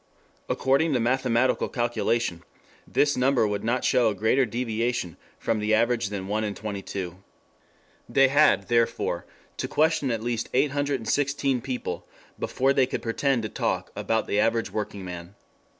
According to mathematical calculation this number would not show a greater deviation from the average than 1 in 22. [Footnote: Op. cit., p. 65.] They had, therefore, to question at least 816 people before they could pretend to talk about the average workingman.